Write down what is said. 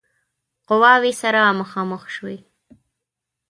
قواوې سره مخامخ شوې.